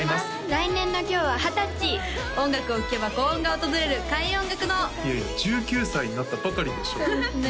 来年の今日は二十歳音楽を聴けば幸運が訪れる開運音楽堂いや１９歳になったばかりでしょそうですね